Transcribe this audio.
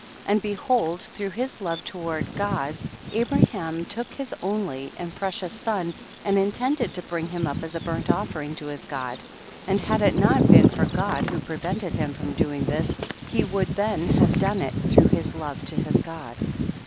1 1 . And behold through his love toward his God, Abraham took his only and precious son and intended to bring him up as a burnt offering to his God, and had it not been for God who prevented him from doing this, he would then have done it through his love to his God.